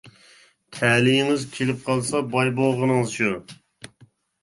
تەلىيىڭىز كېلىپ قالسا باي بولغىنىڭىز شۇ.